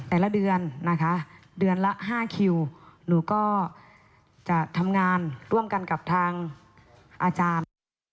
แต่ละเดือนนะคะเดือนละ๕คิวหนูก็จะทำงานร่วมกันกับทางอาจารย์